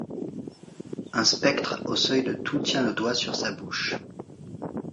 Un spectre au seuil de tout tient le doigt sur sa bouche.